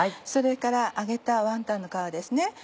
それから揚げたワンタンの皮ですね。